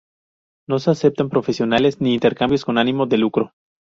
No se aceptan profesionales ni Intercambios con ánimo de lucro.